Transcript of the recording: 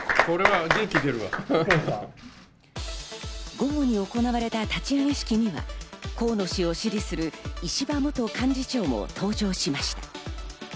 午後に行われた立ち上げ式には、河野氏を支持する石破元幹事長も登場しました。